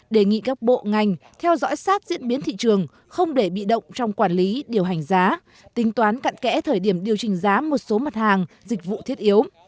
đề nghị các bộ ngành theo dõi sát diễn biến thị trường không để bị động trong quản lý điều hành giá tính toán cạn kẽ thời điểm điều chỉnh giá một số mặt hàng dịch vụ thiết yếu